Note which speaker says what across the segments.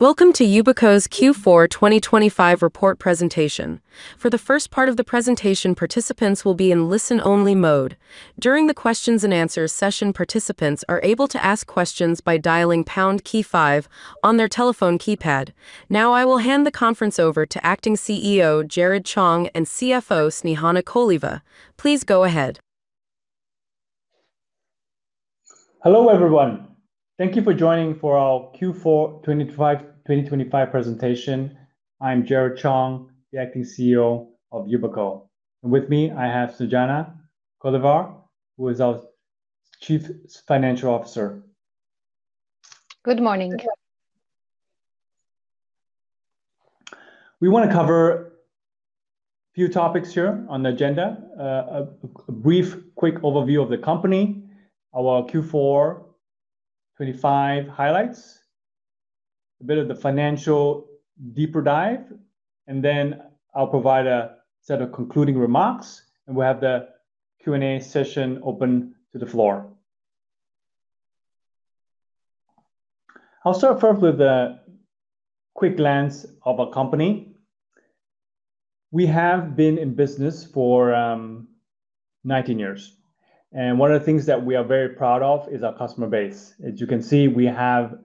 Speaker 1: Welcome to Yubico's Q4 2025 report presentation. For the first part of the presentation, participants will be in listen-only mode. During the questions and answers session, participants are able to ask questions by dialing pound key five on their telephone keypad. Now, I will hand the conference over to Acting CEO Jerrod Chong and CFO Snejana Koleva. Please go ahead.
Speaker 2: Hello, everyone. Thank you for joining for our Q4 2025 presentation. I'm Jerrod Chong, the acting CEO of Yubico. With me, I have Snejana Koleva, who is our Chief Financial Officer.
Speaker 3: Good morning.
Speaker 2: We want to cover a few topics here on the agenda. A brief quick overview of the company, our Q4 2025 highlights, a bit of the financial deeper dive, and then I'll provide a set of concluding remarks, and we'll have the Q&A session open to the floor. I'll start first with a quick glance of our company. We have been in business for 19 years, and one of the things that we are very proud of is our customer base. As you can see, we have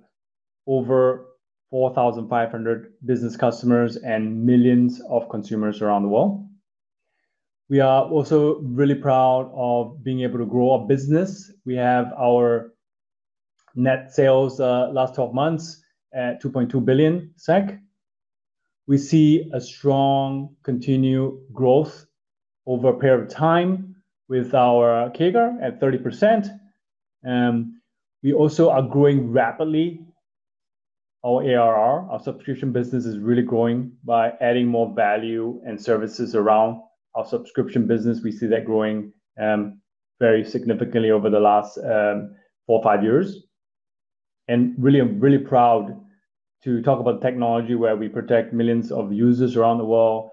Speaker 2: over 4,500 business customers and millions of consumers around the world. We are also really proud of being able to grow our business. We have our net sales last twelve months at 2.2 billion SEK. We see a strong continued growth over a period of time with our CAGR at 30%. We also are growing rapidly. Our ARR, our subscription business is really growing by adding more value and services around our subscription business. We see that growing very significantly over the last 4-5 years. Really, I'm really proud to talk about technology where we protect millions of users around the world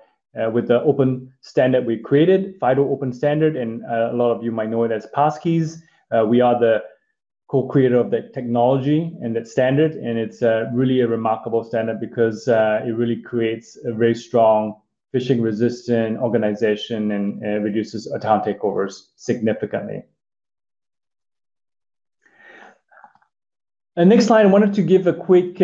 Speaker 2: with the open standard we created, FIDO open standard, and a lot of you might know it as passkeys. We are the co-creator of that technology and that standard, and it's really a remarkable standard because it really creates a very strong phishing-resistant organization and reduces account takeovers significantly. The next slide, I wanted to give a quick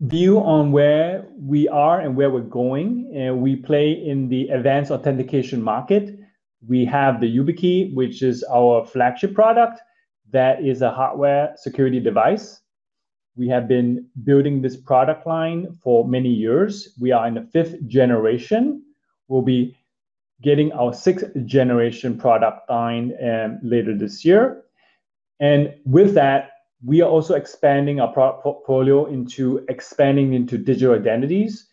Speaker 2: view on where we are and where we're going, and we play in the advanced authentication market. We have the YubiKey, which is our flagship product that is a hardware security device. We have been building this product line for many years. We are in the fifth generation. We'll be getting our sixth generation product line later this year. And with that, we are also expanding our product portfolio into digital identities.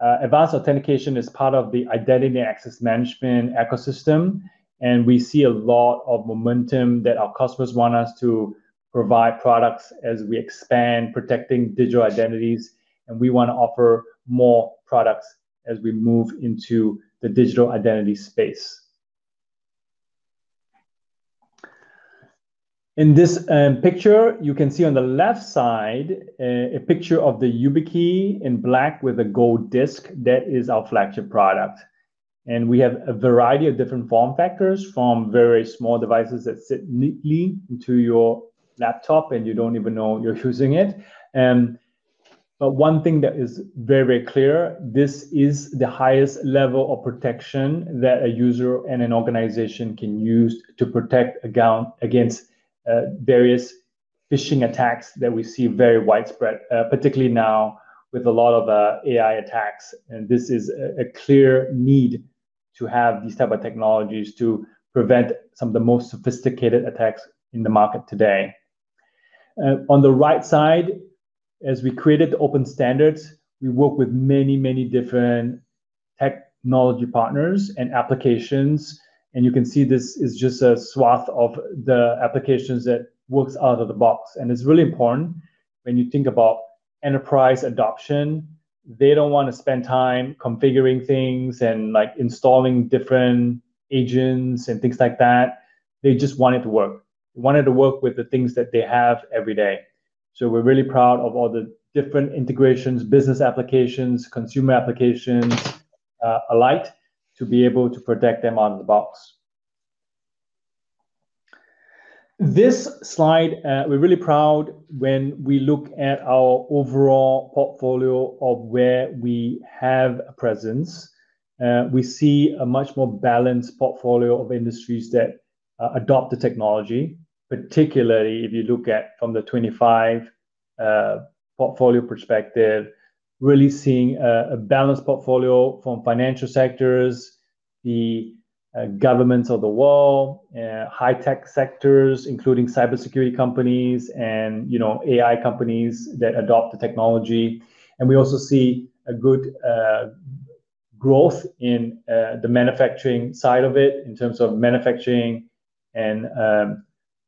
Speaker 2: Advanced authentication is part of the identity access management ecosystem, and we see a lot of momentum that our customers want us to provide products as we expand, protecting digital identities, and we want to offer more products as we move into the digital identity space. In this picture, you can see on the left side, a picture of the YubiKey in black with a gold disc. That is our flagship product. We have a variety of different form factors, from very small devices that sit neatly into your laptop, and you don't even know you're using it. But one thing that is very, very clear, this is the highest level of protection that a user and an organization can use to protect account against various phishing attacks that we see very widespread, particularly now with a lot of AI attacks. And this is a clear need to have these type of technologies to prevent some of the most sophisticated attacks in the market today. On the right side, as we created the open standards, we work with many, many different technology partners and applications, and you can see this is just a swath of the applications that works out of the box. It's really important when you think about enterprise adoption. They don't want to spend time configuring things and, like, installing different agents and things like that. They just want it to work. They want it to work with the things that they have every day. We're really proud of all the different integrations, business applications, consumer applications, alike, to be able to protect them out of the box. This slide, we're really proud when we look at our overall portfolio of where we have a presence. We see a much more balanced portfolio of industries that adopt the technology, particularly if you look at from the 25 portfolio perspective, really seeing a balanced portfolio from financial sectors, the governments of the world, high-tech sectors, including cybersecurity companies and, you know, AI companies that adopt the technology. And we also see a good growth in the manufacturing side of it in terms of manufacturing and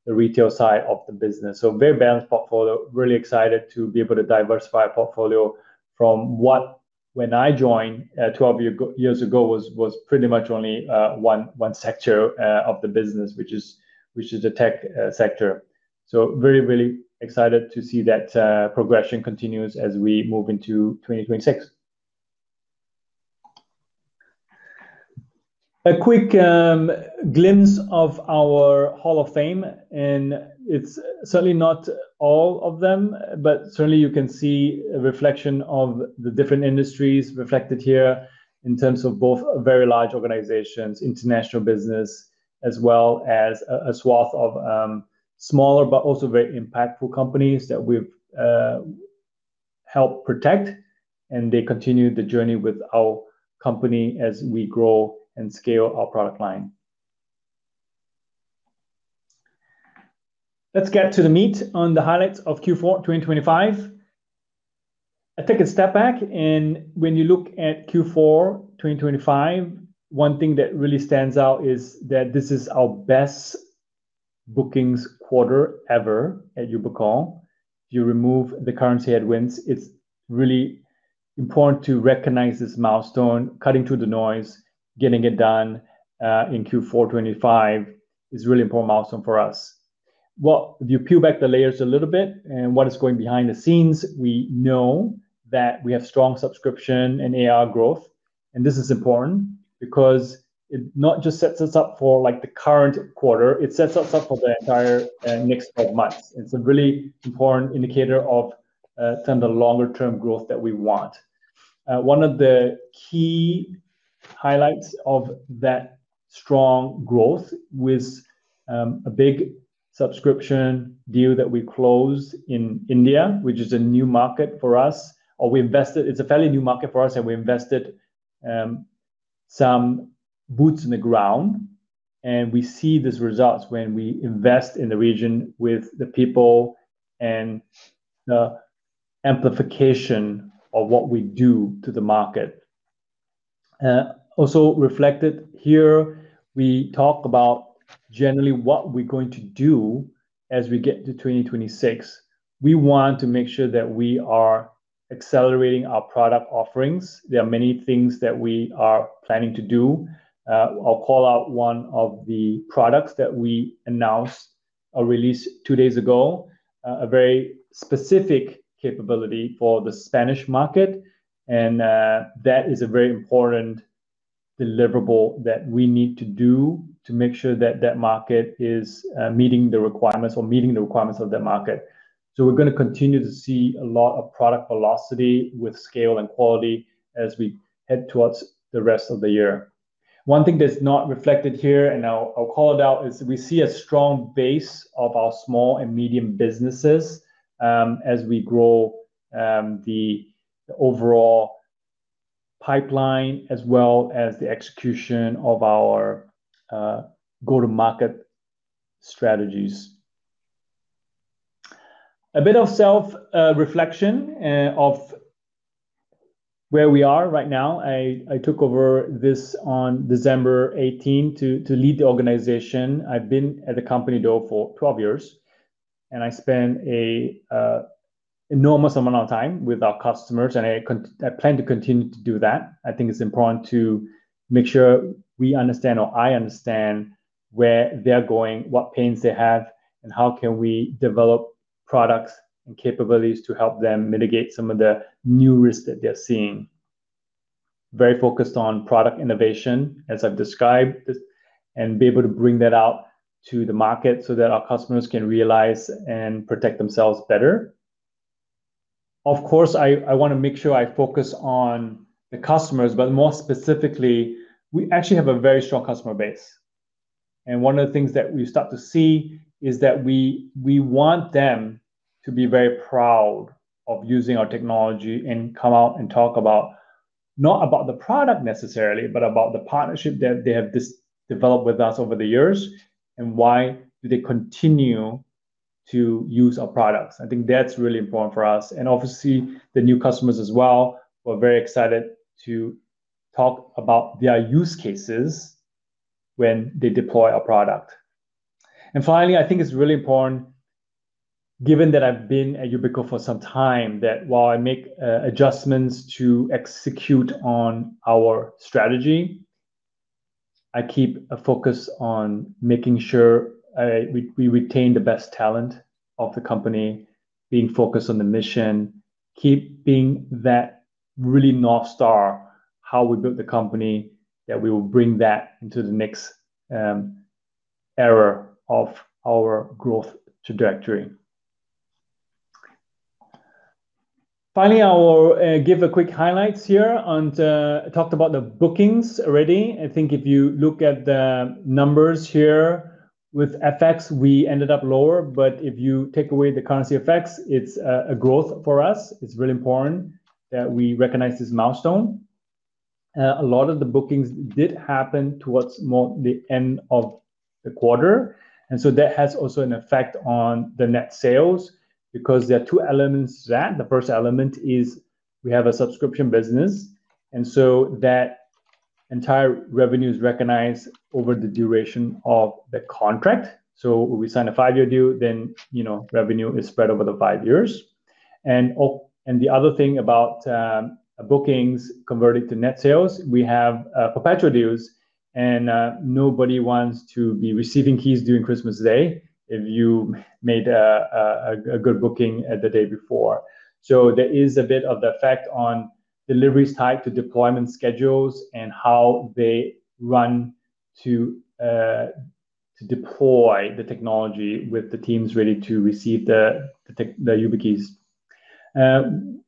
Speaker 2: the retail side of the business. So very balanced portfolio. Really excited to be able to diversify our portfolio from what when I joined 12 years ago was pretty much only one sector of the business, which is the tech sector. So very, very excited to see that progression continues as we move into 2026. A quick glimpse of our Hall of Fame, and it's certainly not all of them, but certainly you can see a reflection of the different industries reflected here in terms of both very large organizations, international business, as well as a swath of smaller, but also very impactful companies that we've helped protect, and they continue the journey with our company as we grow and scale our product line. Let's get to the meat on the highlights of Q4 2025. I take a step back, and when you look at Q4 2025, one thing that really stands out is that this is our best bookings quarter ever at Yubico. If you remove the currency headwinds, it's really important to recognize this milestone, cutting through the noise, getting it done in Q4 2025 is a really important milestone for us. Well, if you peel back the layers a little bit and what is going behind the scenes, we know that we have strong subscription and ARR growth, and this is important because it not just sets us up for, like, the current quarter, it sets us up for the entire, next twelve months. It's a really important indicator of, kind of the longer-term growth that we want. One of the key highlights of that strong growth was, a big subscription deal that we closed in India, which is a new market for us, or we invested... It's a fairly new market for us, and we invested some boots on the ground, and we see these results when we invest in the region with the people and the amplification of what we do to the market. Also reflected here, we talk about generally what we're going to do as we get to 2026. We want to make sure that we are accelerating our product offerings. There are many things that we are planning to do. I'll call out one of the products that we announced or released two days ago, a very specific capability for the Spanish market, and that is a very important deliverable that we need to do to make sure that that market is meeting the requirements or meeting the requirements of that market. So we're gonna continue to see a lot of product velocity with scale and quality as we head towards the rest of the year. One thing that's not reflected here, and I'll call it out, is we see a strong base of our small and medium businesses as we grow the overall pipeline, as well as the execution of our go-to-market strategies. A bit of self-reflection of where we are right now. I took over this on December eighteenth to lead the organization. I've been at the company, though, for 12 years, and I spent an enormous amount of time with our customers, and I plan to continue to do that. I think it's important to make sure we understand, or I understand, where they're going, what pains they have, and how can we develop products and capabilities to help them mitigate some of the new risks that they're seeing. Very focused on product innovation, as I've described, and be able to bring that out to the market so that our customers can realize and protect themselves better. Of course, I wanna make sure I focus on the customers, but more specifically, we actually have a very strong customer base. And one of the things that we start to see is that we want them to be very proud of using our technology and come out and talk about, not about the product necessarily, but about the partnership that they have developed with us over the years, and why do they continue to use our products. I think that's really important for us. And obviously, the new customers as well, we're very excited to talk about their use cases when they deploy our product. And finally, I think it's really important, given that I've been at Yubico for some time, that while I make adjustments to execute on our strategy, I keep a focus on making sure we retain the best talent of the company, being focused on the mission, keeping that really North Star, how we built the company, that we will bring that into the next era of our growth trajectory. Finally, I will give a quick highlights here on the... I talked about the bookings already. I think if you look at the numbers here, with FX, we ended up lower, but if you take away the currency effects, it's a growth for us. It's really important that we recognize this milestone. A lot of the bookings did happen towards more the end of the quarter, and so that has also an effect on the net sales because there are two elements to that. The first element is we have a subscription business, and entire revenue is recognized over the duration of the contract. So we sign a 5-year deal, then, you know, revenue is spread over the 5 years. And the other thing about bookings converted to net sales, we have perpetual deals, and nobody wants to be receiving keys during Christmas Day if you made a good booking the day before. So there is a bit of the effect on deliveries tied to deployment schedules and how they run to deploy the technology with the teams ready to receive the YubiKeys.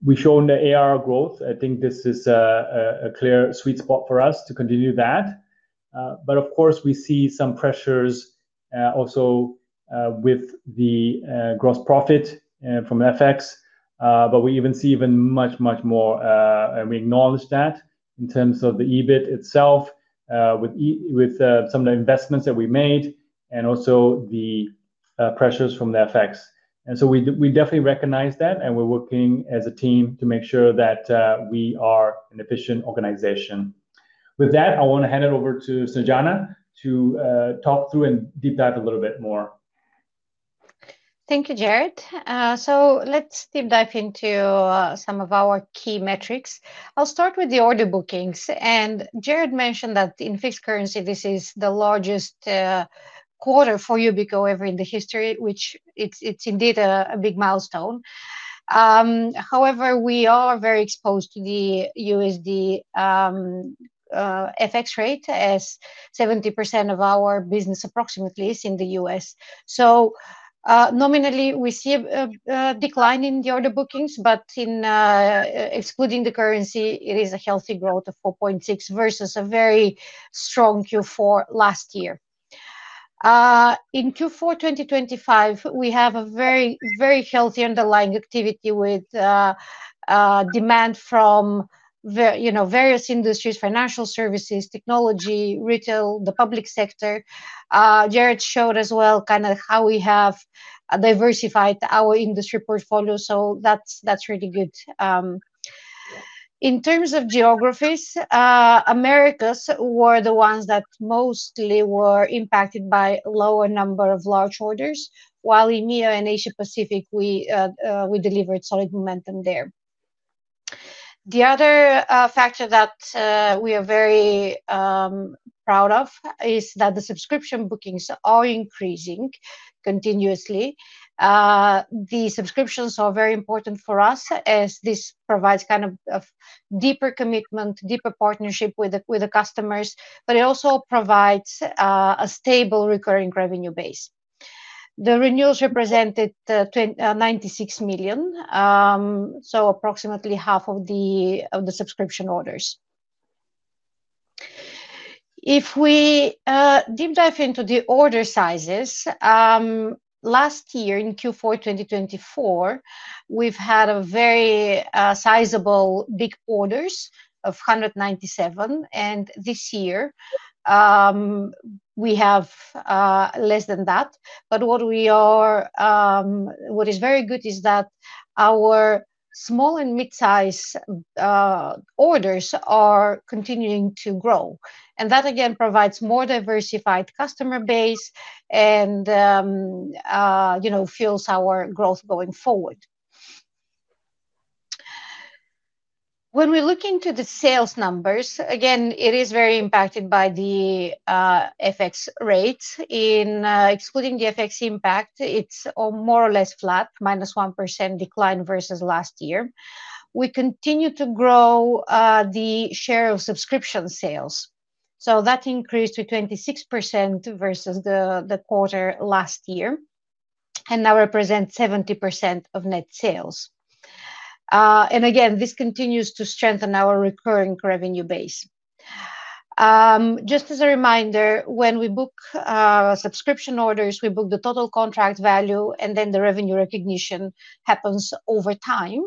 Speaker 2: We've shown the AR growth. I think this is a clear sweet spot for us to continue that. But of course, we see some pressures also with the gross profit from FX. But we even see even much much more, and we acknowledge that in terms of the EBIT itself with some of the investments that we made and also the pressures from the FX. And so we definitely recognize that, and we're working as a team to make sure that we are an efficient organization. With that, I want to hand it over to Snejana to talk through and deep dive a little bit more.
Speaker 3: Thank you, Jerrod. So let's deep dive into some of our key metrics. I'll start with the order bookings, and Jerrod mentioned that in fixed currency, this is the largest quarter for Yubico ever in the history, which it is indeed a big milestone. However, we are very exposed to the USD FX rate, as 70% of our business, approximately, is in the U.S. So, nominally, we see a decline in the order bookings, but excluding the currency, it is a healthy growth of 4.6% versus a very strong Q4 last year. In Q4 2025, we have a very healthy underlying activity with demand from, you know, various industries, financial services, technology, retail, the public sector. Jerrod showed as well kind of how we have diversified our industry portfolio, so that's really good. In terms of geographies, Americas were the ones that mostly were impacted by lower number of large orders, while EMEA and Asia Pacific, we delivered solid momentum there. The other factor that we are very proud of is that the subscription bookings are increasing continuously. The subscriptions are very important for us as this provides kind of deeper commitment, deeper partnership with the customers, but it also provides a stable recurring revenue base. The renewals represented 96 million, so approximately half of the subscription orders. If we deep dive into the order sizes, last year in Q4 2024, we've had a very sizable big orders of 197, and this year, we have less than that. But what we are... what is very good is that our small and mid-size orders are continuing to grow, and that, again, provides more diversified customer base and, you know, fuels our growth going forward. When we look into the sales numbers, again, it is very impacted by the FX rates. In, excluding the FX impact, it's more or less flat, -1% decline versus last year. We continue to grow the share of subscription sales, so that increased to 26% versus the quarter last year and now represents 70% of net sales. And again, this continues to strengthen our recurring revenue base. Just as a reminder, when we book subscription orders, we book the total contract value, and then the revenue recognition happens over time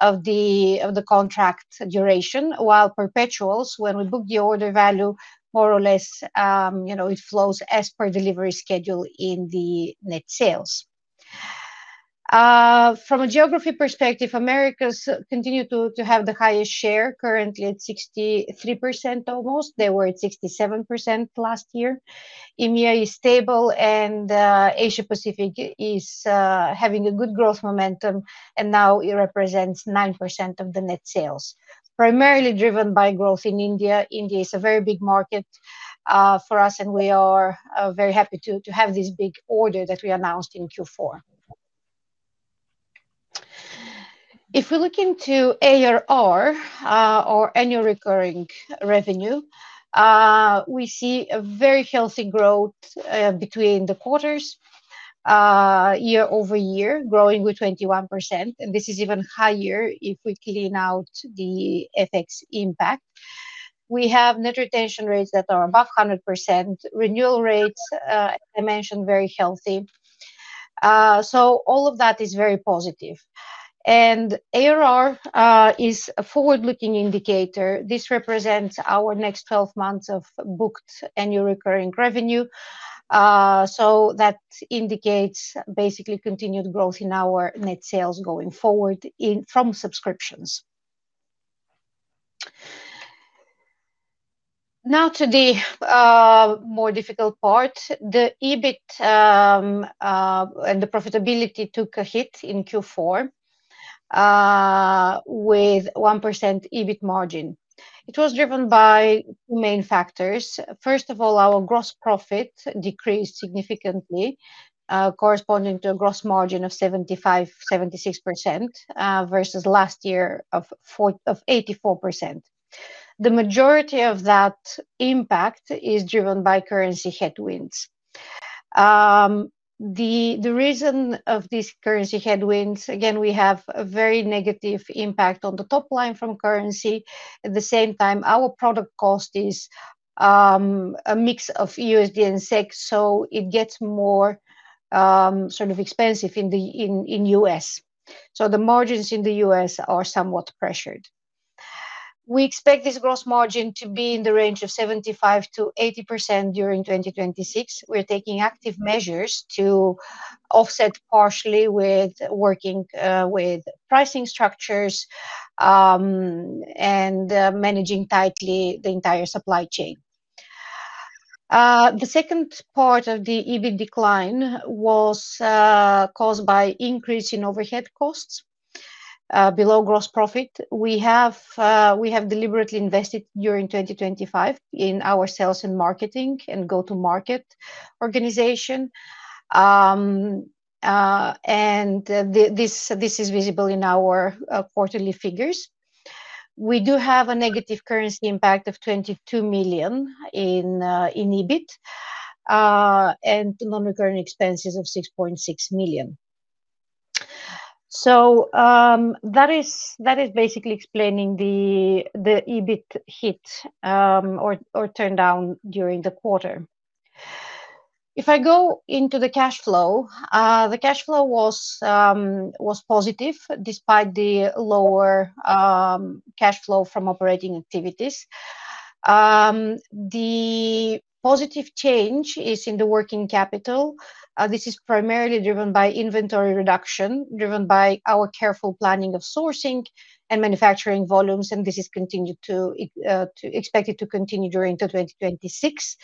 Speaker 3: of the contract duration. While perpetuals, when we book the order value, more or less, you know, it flows as per delivery schedule in the net sales. From a geography perspective, Americas continue to have the highest share, currently at 63%, almost. They were at 67% last year. EMEA is stable, and Asia Pacific is having a good growth momentum, and now it represents 9% of the net sales, primarily driven by growth in India. India is a very big market for us, and we are very happy to have this big order that we announced in Q4. If we look into ARR, or annual recurring revenue, we see a very healthy growth, between the quarters, year-over-year, growing with 21%, and this is even higher if we clean out the FX impact. We have net retention rates that are above 100%. Renewal rates, as I mentioned, very healthy. So all of that is very positive. And ARR is a forward-looking indicator. This represents our next 12 months of booked annual recurring revenue, so that indicates basically continued growth in our net sales going forward from subscriptions.... Now to the more difficult part. The EBIT and the profitability took a hit in Q4, with 1% EBIT margin. It was driven by main factors. First of all, our gross profit decreased significantly, corresponding to a gross margin of 75%-76%, versus last year of 84%. The majority of that impact is driven by currency headwinds. The reason of these currency headwinds, again, we have a very negative impact on the top line from currency. At the same time, our product cost is a mix of USD and SEK, so it gets more sort of expensive in the U.S. So the margins in the U.S. are somewhat pressured. We expect this gross margin to be in the range of 75%-80% during 2026. We're taking active measures to offset partially with working with pricing structures and managing tightly the entire supply chain. The second part of the EBIT decline was caused by increase in overhead costs below gross profit. We have deliberately invested during 2025 in our sales and marketing and go-to-market organization. And this is visible in our quarterly figures. We do have a negative currency impact of 22 million in EBIT and non-recurring expenses of 6.6 million. So, that is basically explaining the EBIT hit or turndown during the quarter. If I go into the cash flow, the cash flow was positive despite the lower cash flow from operating activities. The positive change is in the working capital. This is primarily driven by inventory reduction, driven by our careful planning of sourcing and manufacturing volumes, and expected to continue during 2026.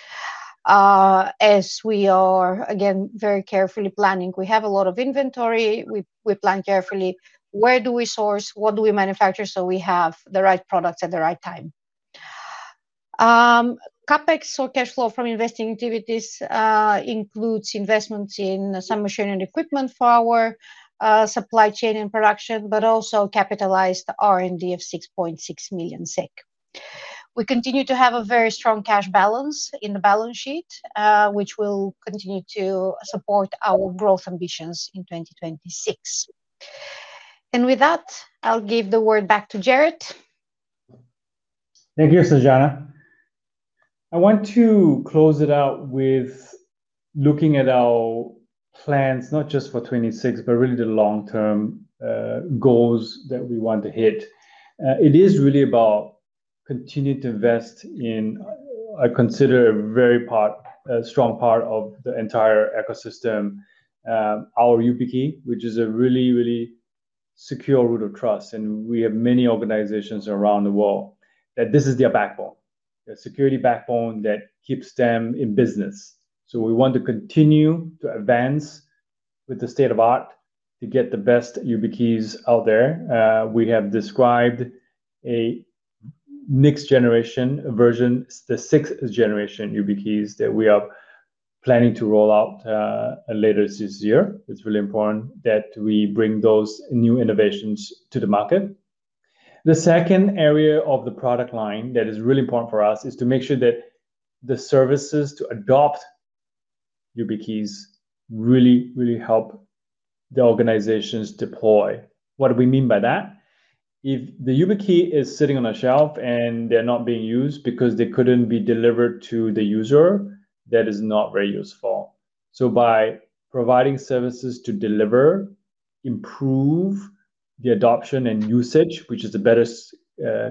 Speaker 3: As we are, again, very carefully planning. We have a lot of inventory. We plan carefully, where do we source, what do we manufacture, so we have the right products at the right time. CapEx, so cash flow from investing activities includes investments in some machinery and equipment for our supply chain and production, but also capitalized R&D of 6.6 million SEK. We continue to have a very strong cash balance in the balance sheet, which will continue to support our growth ambitions in 2026. With that, I'll give the word back to Jerrod.
Speaker 2: Thank you, Snejana. I want to close it out with looking at our plans, not just for 2026, but really the long-term goals that we want to hit. It is really about continue to invest in, I consider, a very part, a strong part of the entire ecosystem, our YubiKey, which is a really, really secure root of trust, and we have many organizations around the world, that this is their backbone. A security backbone that keeps them in business. So we want to continue to advance with the state-of-the-art to get the best YubiKeys out there. We have described a next generation version, the sixth generation YubiKeys, that we are planning to roll out, later this year. It's really important that we bring those new innovations to the market. The second area of the product line that is really important for us is to make sure that the services to adopt YubiKeys really, really help the organizations deploy. What do we mean by that? If the YubiKey is sitting on a shelf, and they're not being used because they couldn't be delivered to the user, that is not very useful. So by providing services to deliver, improve the adoption and usage, which is the better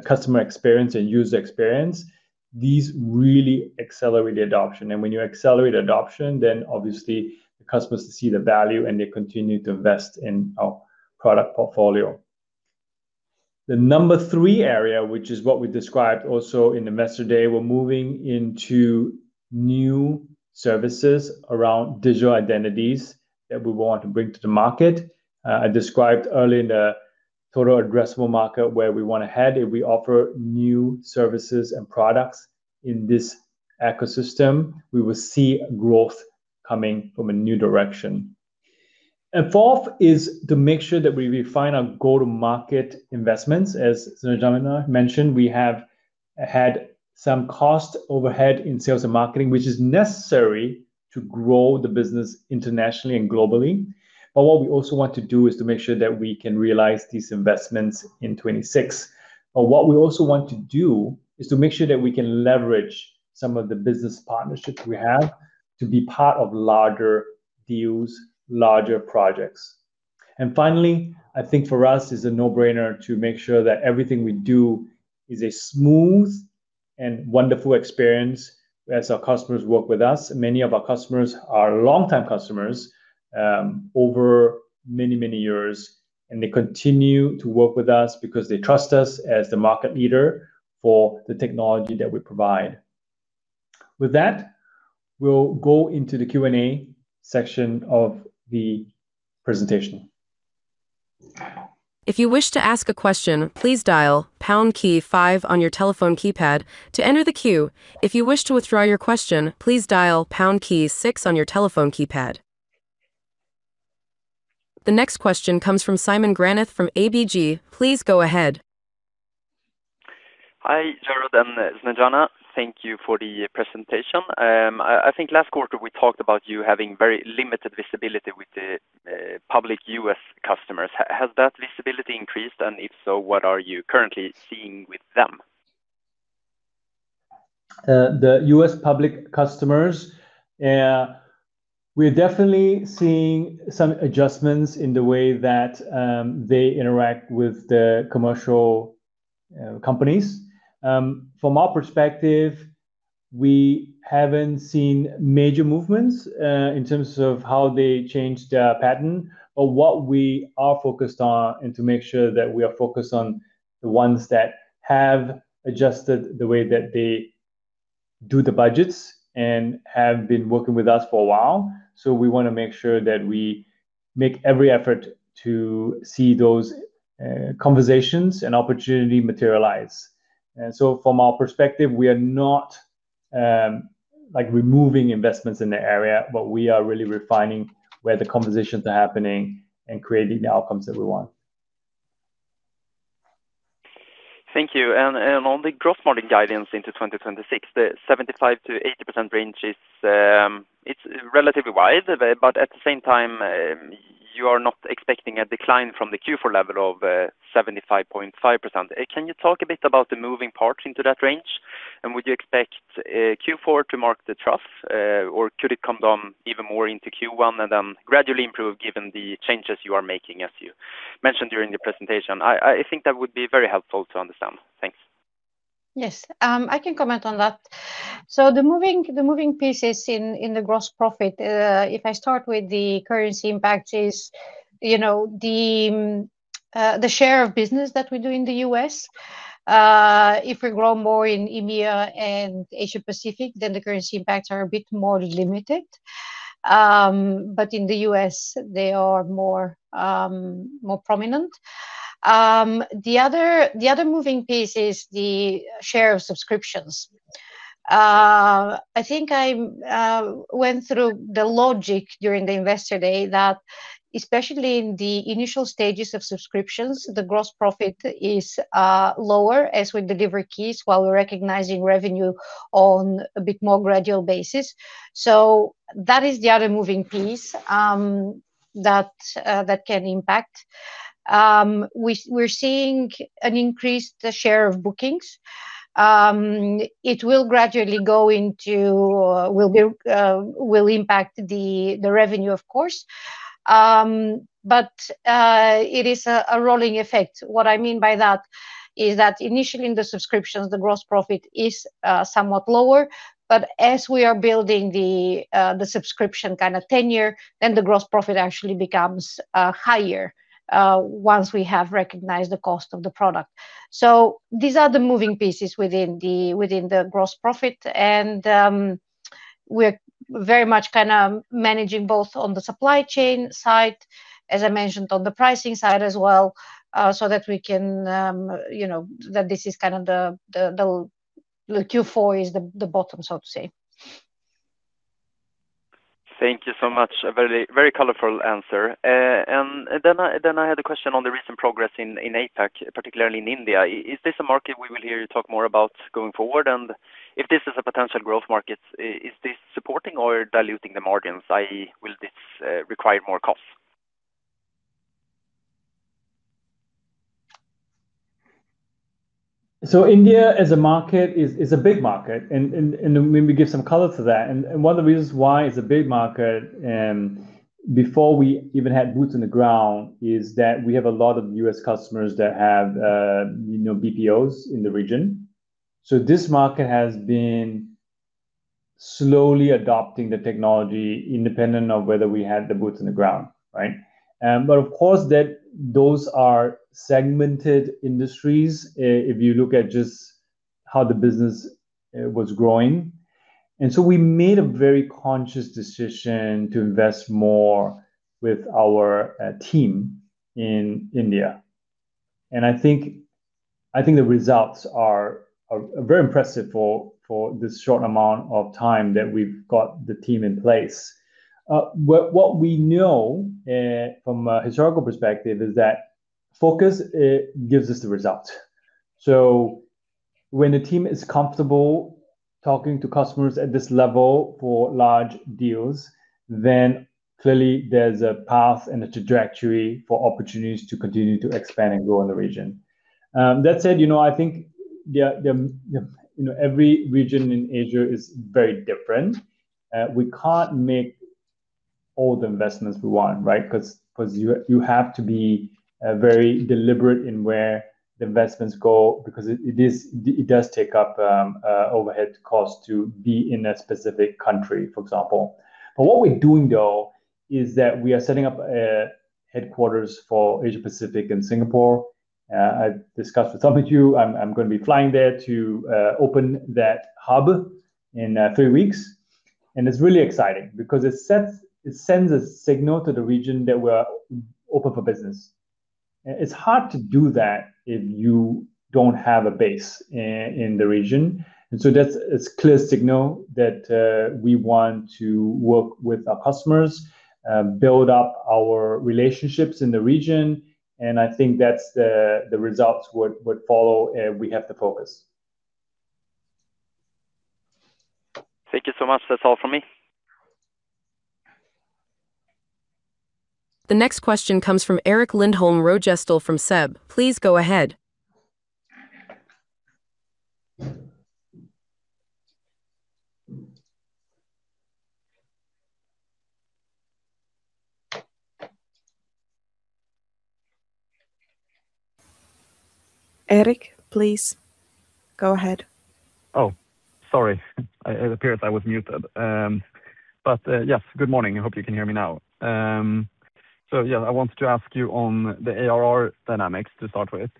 Speaker 2: customer experience and user experience, these really accelerate the adoption. And when you accelerate adoption, then obviously the customers see the value, and they continue to invest in our product portfolio. The number three area, which is what we described also in Investor Day, we're moving into new services around digital identities that we want to bring to the market. I described earlier in the total addressable market where we wanna head. If we offer new services and products in this ecosystem, we will see growth coming from a new direction. Fourth is to make sure that we refine our go-to-market investments. As Snejana mentioned, we have had some cost overhead in sales and marketing, which is necessary to grow the business internationally and globally. But what we also want to do is to make sure that we can realize these investments in 2026. But what we also want to do is to make sure that we can leverage some of the business partnerships we have to be part of larger deals, larger projects. Finally, I think for us, it's a no-brainer to make sure that everything we do is a smooth and wonderful experience as our customers work with us. Many of our customers are longtime customers over many, many years, and they continue to work with us because they trust us as the market leader for the technology that we provide. With that, we'll go into the Q&A section of the presentation.
Speaker 1: If you wish to ask a question, please dial pound key five on your telephone keypad to enter the queue. If you wish to withdraw your question, please dial pound key six on your telephone keypad. The next question comes from Simon Granath from ABG. Please go ahead.
Speaker 4: Hi, Jerrod and Snejana. Thank you for the presentation. I think last quarter we talked about you having very limited visibility with the public U.S. customers. Has that visibility increased? And if so, what are you currently seeing with them?
Speaker 2: The U.S. public customers, we're definitely seeing some adjustments in the way that they interact with the commercial companies. From our perspective, we haven't seen major movements in terms of how they changed their pattern. But what we are focused on, and to make sure that we are focused on the ones that have adjusted the way that they do the budgets and have been working with us for a while. So we wanna make sure that we make every effort to see those conversations and opportunity materialize. And so from our perspective, we are not like removing investments in the area, but we are really refining where the conversations are happening and creating the outcomes that we want.
Speaker 4: Thank you. On the gross margin guidance into 2026, the 75%-80% range is, it's relatively wide, but at the same time, you are not expecting a decline from the Q4 level of 75.5%. Can you talk a bit about the moving parts into that range? Would you expect Q4 to mark the trough, or could it come down even more into Q1 and then gradually improve given the changes you are making, as you mentioned during the presentation? I think that would be very helpful to understand. Thanks.
Speaker 3: Yes, I can comment on that. So the moving pieces in the gross profit, if I start with the currency impact, is, you know, the share of business that we do in the U.S. If we grow more in EMEA and Asia Pacific, then the currency impacts are a bit more limited. But in the U.S., they are more prominent. The other moving piece is the share of subscriptions. I think I went through the logic during the Investor Day, that especially in the initial stages of subscriptions, the gross profit is lower as we deliver keys while we're recognizing revenue on a bit more gradual basis. So that is the other moving piece, that can impact. We're seeing an increased share of bookings. It will gradually go into will impact the revenue, of course. But it is a rolling effect. What I mean by that is that initially in the subscriptions, the gross profit is somewhat lower, but as we are building the subscription kind of tenure, then the gross profit actually becomes higher once we have recognized the cost of the product. So these are the moving pieces within the gross profit, and we're very much kinda managing both on the supply chain side, as I mentioned, on the pricing side as well, so that we can you know, that this is kind of the Q4 is the bottom, so to say.
Speaker 4: Thank you so much. A very, very colorful answer. And then I, then I had a question on the recent progress in, in APAC, particularly in India. Is this a market we will hear you talk more about going forward? And if this is a potential growth market, is this supporting or diluting the margins? i.e., will this require more costs?
Speaker 2: So India as a market is a big market, and let me give some color to that. And one of the reasons why it's a big market, before we even had boots on the ground, is that we have a lot of U.S. customers that have, you know, BPOs in the region. So this market has been slowly adopting the technology independent of whether we had the boots on the ground. Right? But of course, those are segmented industries, if you look at just how the business was growing. And so we made a very conscious decision to invest more with our team in India. And I think the results are very impressive for this short amount of time that we've got the team in place. What we know from a historical perspective is that focus gives us the result. So when the team is comfortable talking to customers at this level for large deals, then clearly there's a path and a trajectory for opportunities to continue to expand and grow in the region. That said, you know, I think you know every region in Asia is very different. We can't make all the investments we want, right? 'Cause you have to be very deliberate in where the investments go, because it does take up overhead costs to be in a specific country, for example. But what we're doing though is that we are setting up a headquarters for Asia Pacific in Singapore. I discussed with some of you, I'm gonna be flying there to open that hub in three weeks. And it's really exciting because it sends a signal to the region that we're open for business. It's hard to do that if you don't have a base in the region, and so that's a clear signal that we want to work with our customers, build up our relationships in the region, and I think that's the results would follow, we have the focus.
Speaker 4: Thank you so much. That's all from me.
Speaker 1: The next question comes from Erik Lindholm-Röjestål from SEB. Please go ahead. Erik, please go ahead.
Speaker 5: Oh, sorry, it appears I was muted. But yes, good morning. I hope you can hear me now. So yeah, I wanted to ask you on the ARR dynamics to start with.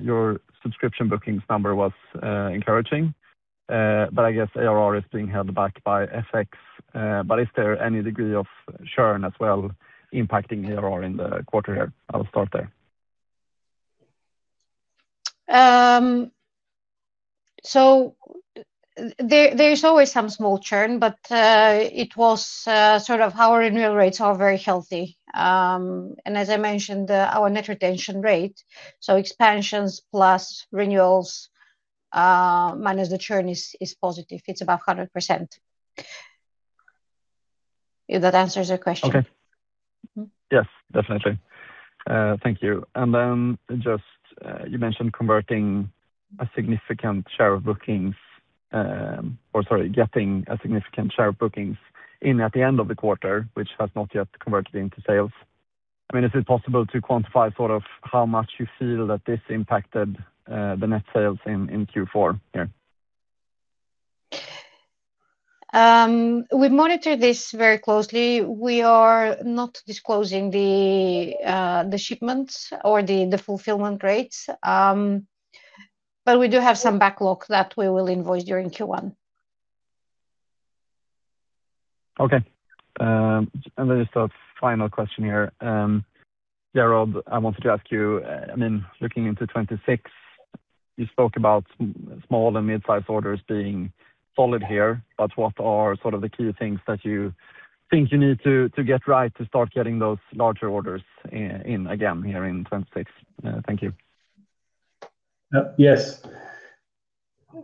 Speaker 5: Your subscription bookings number was encouraging, but I guess ARR is being held back by FX. But is there any degree of churn as well impacting ARR in the quarter here? I'll start there.
Speaker 3: So there is always some small churn, but it was sort of our renewal rates are very healthy. And as I mentioned, our net retention rate, so expansions plus renewals minus the churn is positive. It's about 100%. If that answers your question.
Speaker 5: Okay.
Speaker 3: Mm-hmm.
Speaker 5: Yes, definitely. Thank you. And then just, you mentioned converting a significant share of bookings, or sorry, getting a significant share of bookings in at the end of the quarter, which has not yet converted into sales. I mean, is it possible to quantify sort of how much you feel that this impacted, the net sales in Q4 here?
Speaker 3: We monitor this very closely. We are not disclosing the shipments or the fulfillment rates. But we do have some backlog that we will invoice during Q1.
Speaker 5: Okay. And then just a final question here. Jerrod, I wanted to ask you, I mean, looking into 2026, you spoke about small and mid-size orders being solid here, but what are sort of the key things that you think you need to get right to start getting those larger orders in again, here in 2026? Thank you.
Speaker 2: Yes.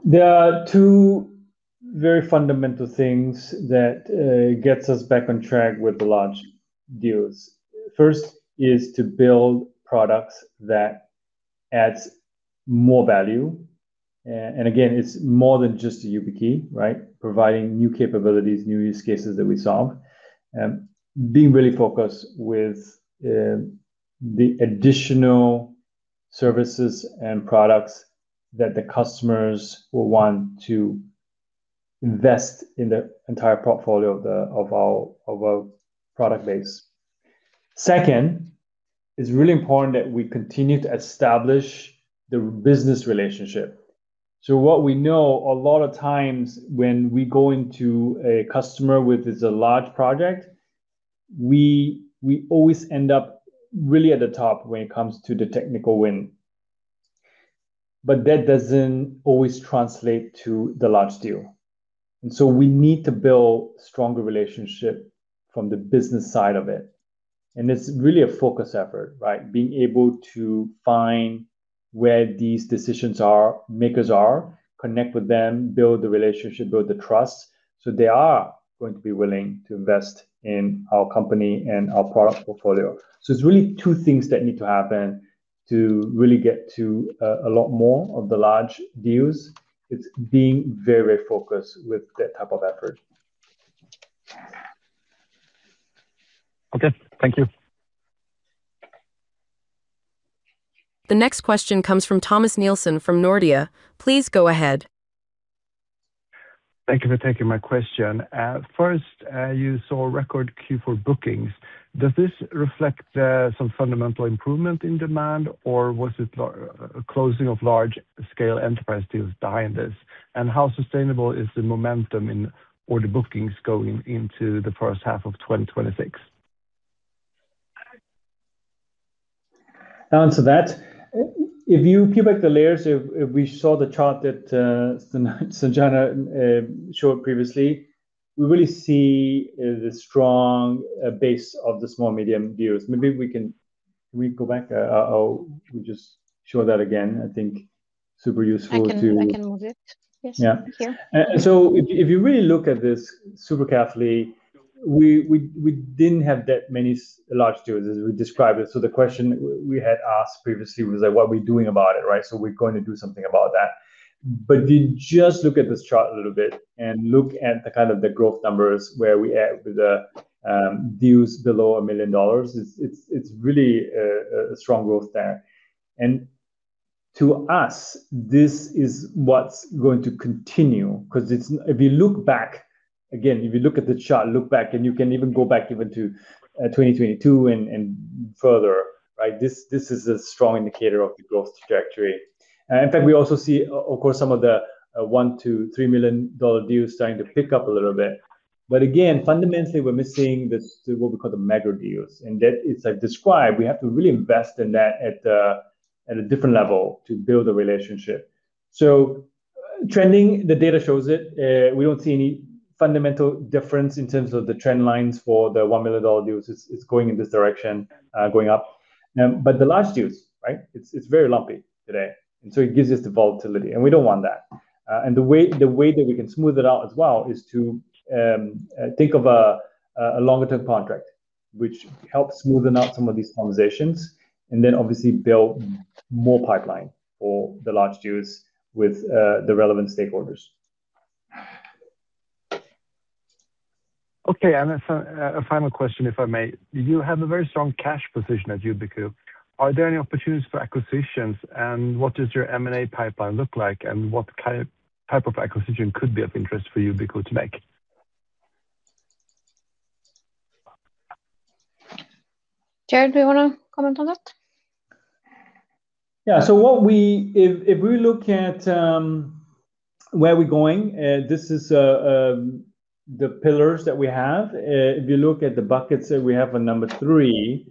Speaker 2: There are two very fundamental things that gets us back on track with the large deals. First is to build products that adds more value. And again, it's more than just the YubiKey, right? Providing new capabilities, new use cases that we solve, being really focused with the additional services and products that the customers will want to invest in the entire portfolio of our product base. Second, it's really important that we continue to establish the business relationship. So what we know, a lot of times when we go into a customer with is a large project, we always end up really at the top when it comes to the technical win, but that doesn't always translate to the large deal. And so we need to build stronger relationship from the business side of it. And it's really a focus effort, right? Being able to find where these decision makers are, connect with them, build the relationship, build the trust, so they are going to be willing to invest in our company and our product portfolio. So it's really two things that need to happen to really get to a lot more of the large deals. It's being very focused with that type of effort.
Speaker 5: Okay, thank you.
Speaker 1: The next question comes from Thomas Nielsen, from Nordea. Please go ahead.
Speaker 6: Thank you for taking my question. First, you saw record Q4 bookings. Does this reflect some fundamental improvement in demand, or was it closing of large-scale enterprise deals behind this? And how sustainable is the momentum in, or the bookings going into the first half of 2026?
Speaker 2: To answer that, if you can get back the layers, if we saw the chart that Snejana showed previously, we really see the strong base of the small, medium deals. Maybe we can... Can we go back? We just show that again, I think super useful to-
Speaker 3: I can, I can move it. Yes.
Speaker 2: Yeah.
Speaker 3: Here.
Speaker 2: So, if you really look at this super carefully, we didn't have that many large deals as we described it. So the question we had asked previously was like: What are we doing about it, right? So we're going to do something about that. But if you just look at this chart a little bit and look at the kind of the growth numbers where we at with the deals below $1 million, it's really a strong growth there. To us, this is what's going to continue, 'cause it's if you look back, again, if you look at the chart, look back, and you can even go back even to 2022 and further, right? This is a strong indicator of the growth trajectory. In fact, we also see, of course, some of the $1 million-$3 million deals starting to pick up a little bit. But again, fundamentally, we're missing this, what we call the mega deals, and that it's, like, described. We have to really invest in that at a different level to build a relationship. So trending, the data shows it. We don't see any fundamental difference in terms of the trend lines for the $1 million deals. It's going in this direction, going up. But the large deals, right? It's very lumpy today, and so it gives us the volatility, and we don't want that. And the way that we can smooth it out as well is to think of a longer-term contract, which helps smoothen out some of these conversations. And then obviously build more pipeline for the large deals with the relevant stakeholders.
Speaker 6: Okay, and a final question, if I may. You have a very strong cash position at Yubico. Are there any opportunities for acquisitions, and what does your M&A pipeline look like? And what type of acquisition could be of interest for Yubico to make?
Speaker 3: Jerrod, do you wanna comment on that?
Speaker 2: Yeah. So if we look at where we're going, this is the pillars that we have. If you look at the buckets that we have on number three,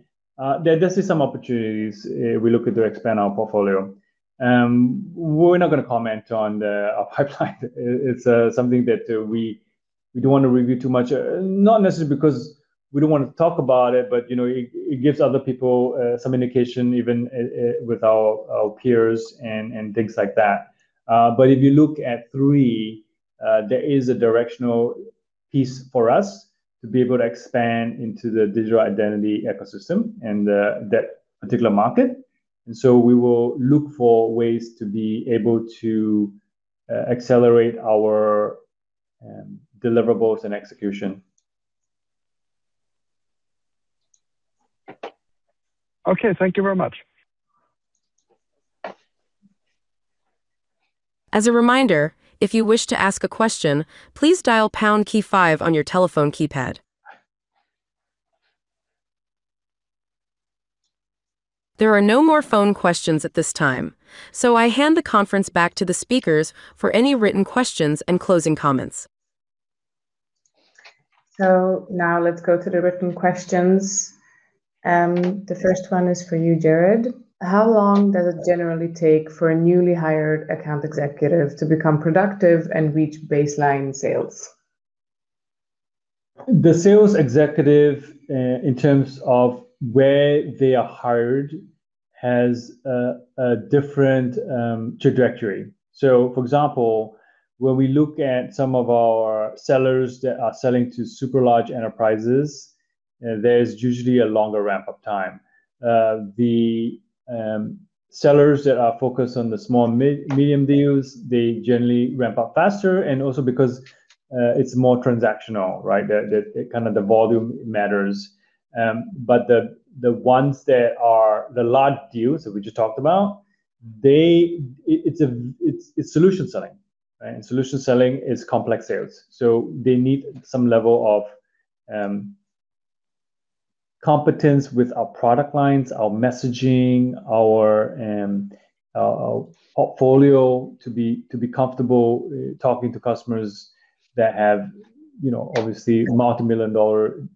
Speaker 2: there is some opportunities we look at to expand our portfolio. We're not gonna comment on our pipeline. It's something that we don't want to review too much. Not necessarily because we don't want to talk about it, but you know it gives other people some indication, even with our peers and things like that. But if you look at three, there is a directional piece for us to be able to expand into the digital identity ecosystem and that particular market. And so we will look for ways to be able to accelerate our deliverables and execution.
Speaker 6: Okay, thank you very much.
Speaker 1: As a reminder, if you wish to ask a question, please dial pound key five on your telephone keypad. There are no more phone questions at this time, so I hand the conference back to the speakers for any written questions and closing comments.
Speaker 7: Now let's go to the written questions. The first one is for you, Jerrod. How long does it generally take for a newly hired account executive to become productive and reach baseline sales?
Speaker 2: The sales executive in terms of where they are hired has a different trajectory. So for example, when we look at some of our sellers that are selling to super large enterprises, there's usually a longer ramp-up time. The sellers that are focused on the small, mid, medium deals, they generally ramp up faster, and also because it's more transactional, right? The volume matters. But the ones that are the large deals that we just talked about, it's solution selling, right? And solution selling is complex sales, so they need some level of competence with our product lines, our messaging, our portfolio to be comfortable talking to customers that have, you know, obviously, multimillion-dollar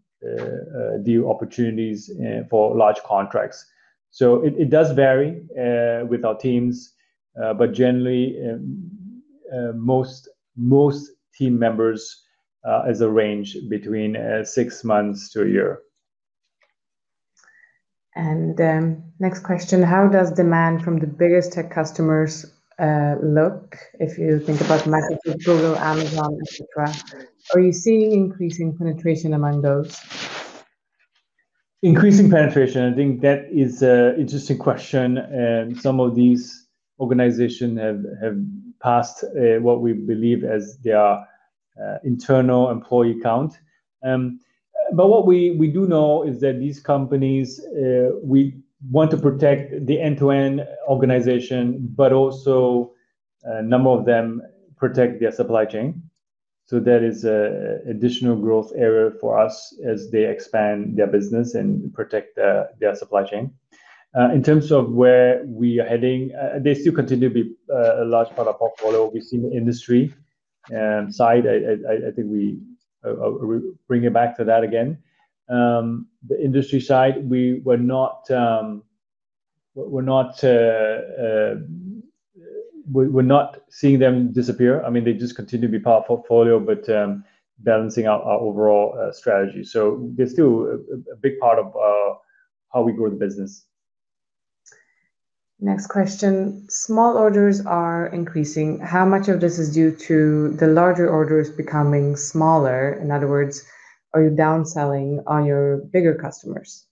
Speaker 2: deal opportunities for large contracts. So it does vary with our teams, but generally, most team members is a range between six months to a year.
Speaker 7: Next question: How does demand from the biggest tech customers look, if you think about Microsoft, Google, Amazon, et cetera? Are you seeing increasing penetration among those?
Speaker 2: Increasing penetration, I think that is an interesting question, and some of these organizations have passed what we believe as their internal employee count. But what we do know is that these companies we want to protect the end-to-end organization, but also a number of them protect their supply chain. So that is an additional growth area for us as they expand their business and protect their supply chain. In terms of where we are heading, they still continue to be a large part of portfolio. We've seen the industry side. I think we bring it back to that again. The industry side, we're not seeing them disappear. I mean, they just continue to be part of portfolio, but, balancing out our overall, strategy. So they're still a big part of, how we grow the business.
Speaker 7: Next question: Small orders are increasing. How much of this is due to the larger orders becoming smaller? In other words, are you down selling on your bigger customers?...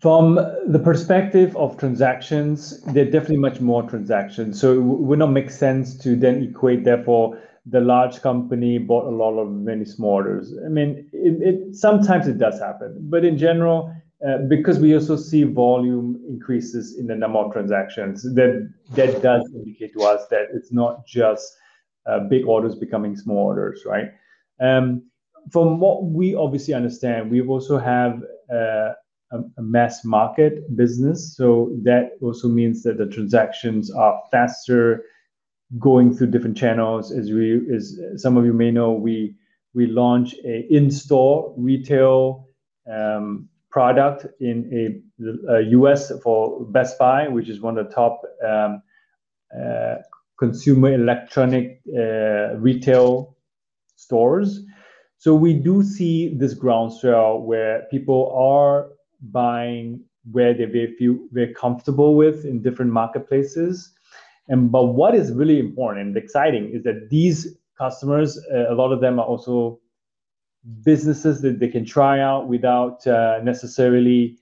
Speaker 2: From the perspective of transactions, there are definitely much more transactions, so it would not make sense to then equate therefore the large company bought a lot of many small orders. I mean, it, it sometimes it does happen, but in general, because we also see volume increases in the number of transactions, then that does indicate to us that it's not just big orders becoming small orders, right? From what we obviously understand, we also have a mass market business, so that also means that the transactions are faster going through different channels. As we, as some of you may know, we launched an in-store retail product in the U.S. for Best Buy, which is one of the top consumer electronics retail stores. So we do see this ground swell where people are buying, where they feel very comfortable with in different marketplaces. And but what is really important and exciting is that these customers, a lot of them are also businesses that they can try out without, necessarily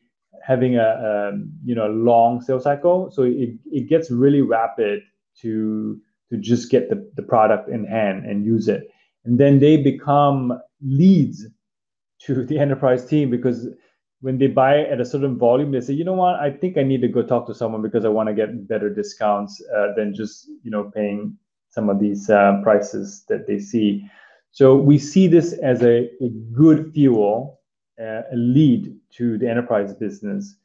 Speaker 2: having a, you know, a long sales cycle. So it gets really rapid to just get the product in hand and use it, and then they become leads to the enterprise team. Because when they buy at a certain volume, they say, "You know what? I think I need to go talk to someone because I wanna get better discounts, than just, you know, paying some of these, prices that they see." So we see this as a good fuel, a lead to the enterprise business.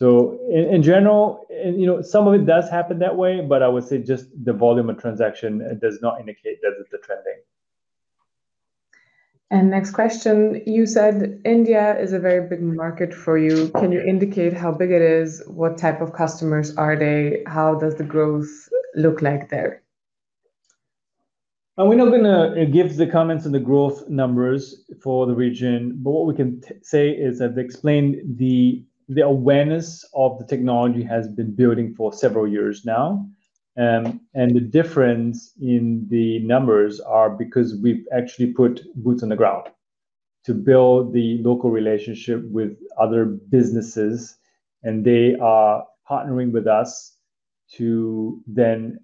Speaker 2: In general, you know, some of it does happen that way, but I would say just the volume of transaction does not indicate that it's a trending.
Speaker 7: And next question: You said India is a very big market for you. Can you indicate how big it is? What type of customers are they? How does the growth look like there?
Speaker 2: We're not gonna give the comments on the growth numbers for the region, but what we can say is that the awareness of the technology has been building for several years now. And the difference in the numbers are because we've actually put boots on the ground to build the local relationship with other businesses, and they are partnering with us to then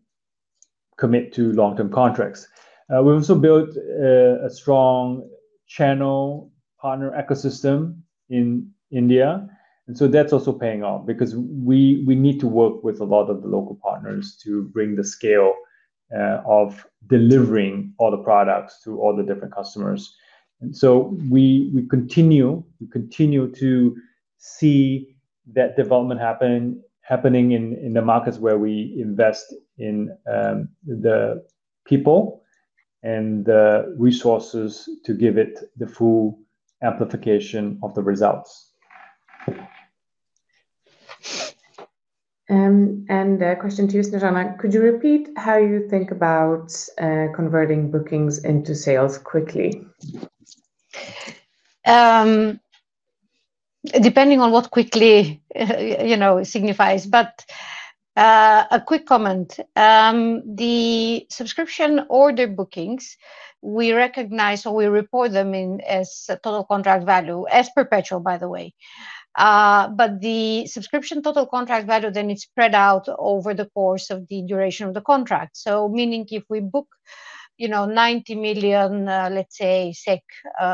Speaker 2: commit to long-term contracts. We've also built a strong channel partner ecosystem in India, and so that's also paying off because we need to work with a lot of the local partners to bring the scale of delivering all the products to all the different customers. We continue to see that development happening in the markets where we invest in the people and the resources to give it the full amplification of the results.
Speaker 7: A question to you, Snejana. Could you repeat how you think about converting bookings into sales quickly?
Speaker 3: Depending on what quickly, you know, signifies, but a quick comment. The subscription order bookings, we recognize or we report them in as a total contract value, as perpetual, by the way. But the subscription total contract value, then it's spread out over the course of the duration of the contract. So meaning if we book, you know, 90 million, let's say, SEK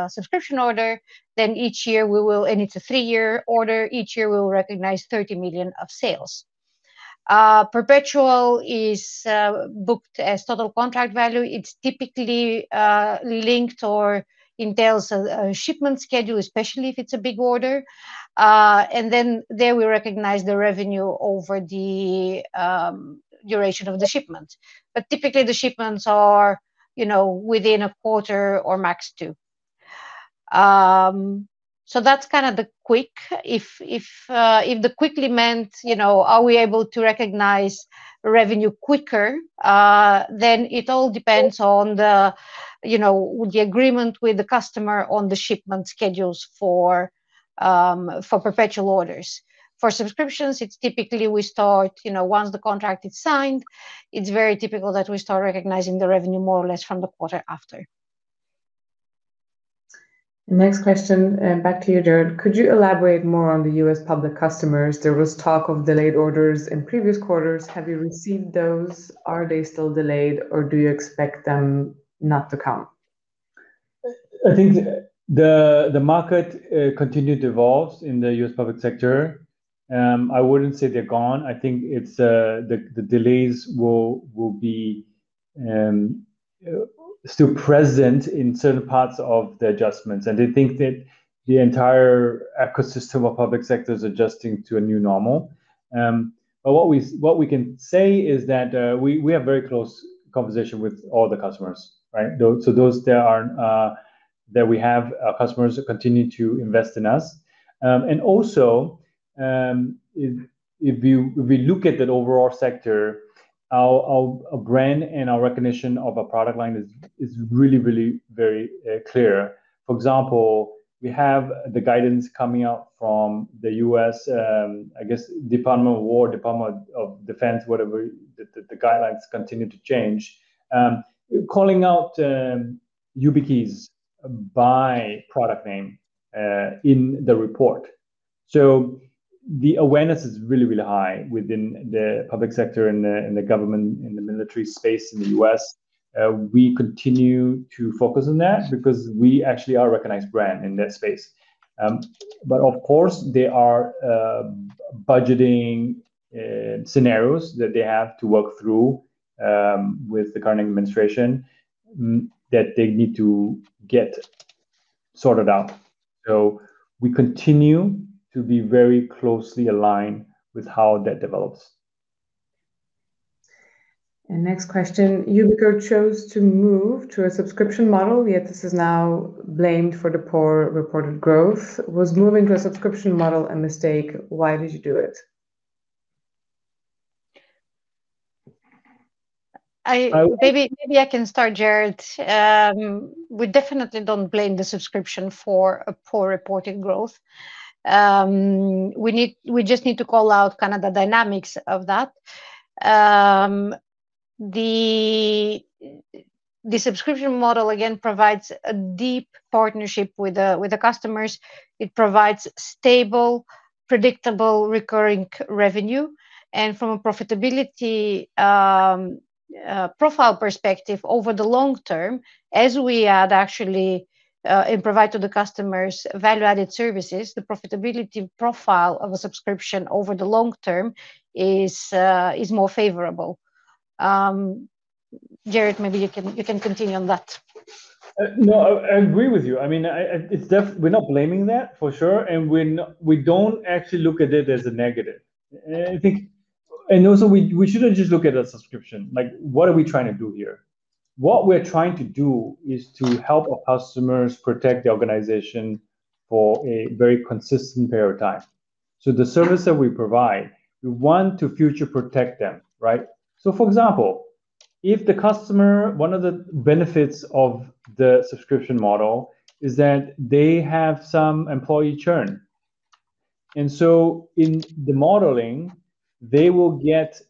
Speaker 3: subscription order, then each year we will. And it's a three-year order, each year, we will recognize 30 million of sales. Perpetual is booked as total contract value. It's typically linked or entails a shipment schedule, especially if it's a big order. And then there, we recognize the revenue over the duration of the shipment. But typically, the shipments are, you know, within a quarter or max two. So that's kind of the quick. If the question meant, you know, are we able to recognize revenue quicker, then it all depends on the, you know, the agreement with the customer on the shipment schedules for perpetual orders. For subscriptions, it's typically we start, you know, once the contract is signed, it's very typical that we start recognizing the revenue more or less from the quarter after.
Speaker 7: Next question, back to you, Jerrod. Could you elaborate more on the U.S. public customers? There was talk of delayed orders in previous quarters. Have you received those? Are they still delayed, or do you expect them not to come?
Speaker 2: I think the market continued to evolve in the U.S. public sector. I wouldn't say they're gone. I think it's the delays will be still present in certain parts of the adjustments. And I think that the entire ecosystem of public sector is adjusting to a new normal. But what we can say is that we have very close conversation with all the customers, right? So those that are that we have customers who continue to invest in us. And also, if you... we look at the overall sector, our brand and our recognition of our product line is really, really very clear. For example, we have the guidance coming out from the U.S. Department of Defense, the guidelines continue to change. Calling out YubiKeys by product name in the report. So the awareness is really, really high within the public sector and the government and the military space in the U.S. We continue to focus on that because we actually are a recognized brand in that space. But of course, there are budgeting scenarios that they have to work through with the current administration that they need to get sorted out. So we continue to be very closely aligned with how that develops.
Speaker 7: Next question: Yubico chose to move to a subscription model, yet this is now blamed for the poor reported growth. Was moving to a subscription model a mistake? Why did you do it?
Speaker 3: Maybe, maybe I can start, Jerrod. We definitely don't blame the subscription for a poor reported growth. We just need to call out kind of the dynamics of that. The subscription model, again, provides a deep partnership with the customers. It provides stable, predictable, recurring revenue, and from a profitability profile perspective over the long term, as we add, actually, and provide to the customers value-added services, the profitability profile of a subscription over the long term is more favorable. Jerrod, maybe you can continue on that.
Speaker 2: No, I agree with you. I mean, we're not blaming that, for sure, and we don't actually look at it as a negative. I think... Also, we shouldn't just look at a subscription, like, what are we trying to do here? What we're trying to do is to help our customers protect the organization for a very consistent period of time. So the service that we provide, we want to future protect them, right? So for example, if the customer, one of the benefits of the subscription model is that they have some employee churn. And so in the modeling, they will get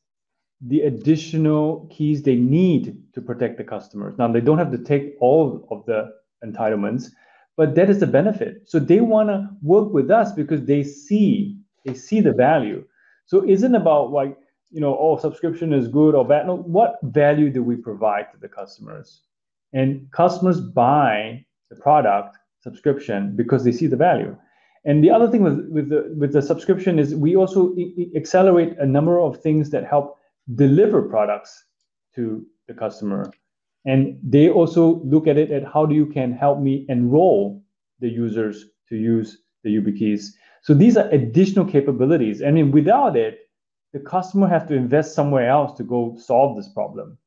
Speaker 2: the additional keys they need to protect the customers. Now, they don't have to take all of the entitlements, but that is a benefit. So they wanna work with us because they see, they see the value. So it isn't about like, you know, oh, subscription is good or bad. No, what value do we provide to the customers? And customers buy the product subscription because they see the value. And the other thing with the subscription is we also accelerate a number of things that help deliver products to the customer, and they also look at it at how you can help me enroll the users to use the YubiKeys. So these are additional capabilities, and then without it, the customer have to invest somewhere else to go solve this problem.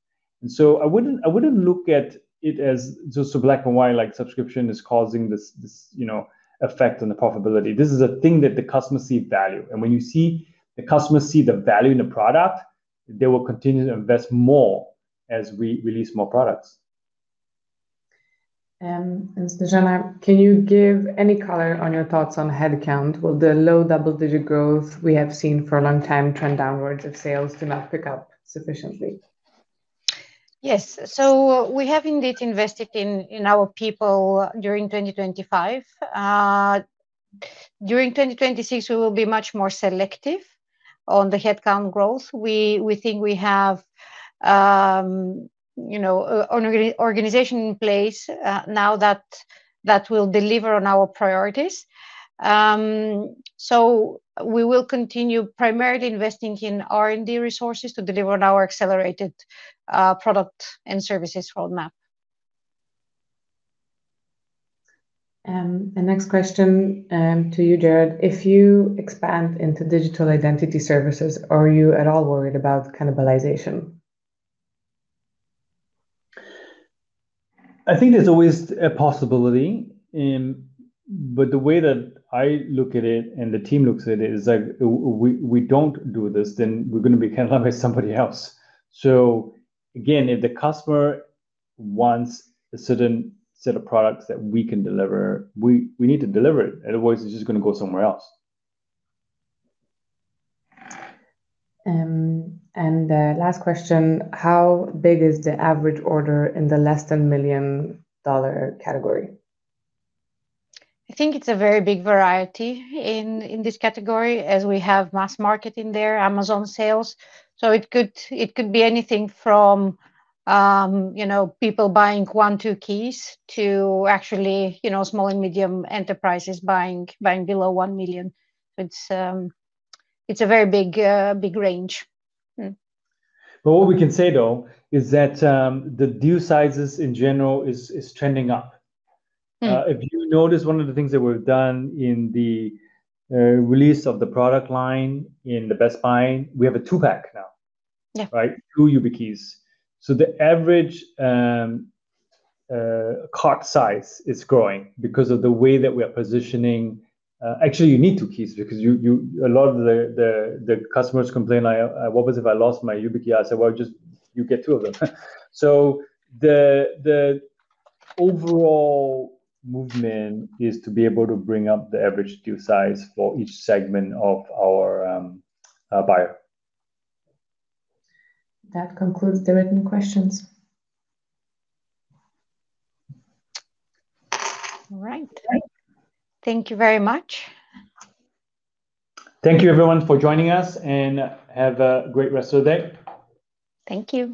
Speaker 2: And so I wouldn't look at it as just a black and white, like subscription is causing this, this, you know, effect on the profitability. This is a thing that the customers see value, and when you see the customers see the value in the product, they will continue to invest more as we release more products.
Speaker 7: Snejana, can you give any color on your thoughts on headcount? Will the low double-digit growth we have seen for a long time trend downwards if sales do not pick up sufficiently?
Speaker 3: Yes. So we have indeed invested in our people during 2025. During 2026, we will be much more selective on the headcount growth. We think we have, you know, organization in place now that will deliver on our priorities. So we will continue primarily investing in R&D resources to deliver on our accelerated product and services roadmap.
Speaker 7: The next question to you, Jerrod: If you expand into digital identity services, are you at all worried about cannibalization?
Speaker 2: I think there's always a possibility. But the way that I look at it, and the team looks at it, is like, we don't do this, then we're gonna be cannibalized by somebody else. So again, if the customer wants a certain set of products that we can deliver, we need to deliver it. Otherwise, they're just gonna go somewhere else.
Speaker 7: And the last question: How big is the average order in the less than $1 million category?
Speaker 3: I think it's a very big variety in, in this category, as we have mass market in there, Amazon sales. So it could, it could be anything from, you know, people buying one, two keys to actually, you know, small and medium enterprises buying, buying below 1 million. So it's, it's a very big, big range.
Speaker 2: What we can say, though, is that the deal sizes in general is trending up.
Speaker 3: Mm.
Speaker 2: If you notice, one of the things that we've done in the release of the product line in Best Buy, we have a two-pack now.
Speaker 3: Yeah.
Speaker 2: Right? Two YubiKeys. So the average cart size is growing because of the way that we are positioning. Actually you need two keys because you a lot of the customers complain, "I, what happens if I lost my YubiKey?" I say: "Well, just you get two of them." So the overall movement is to be able to bring up the average deal size for each segment of our buyer.
Speaker 7: That concludes the written questions.
Speaker 3: All right. Thank you very much.
Speaker 2: Thank you, everyone, for joining us, and have a great rest of the day.
Speaker 3: Thank you.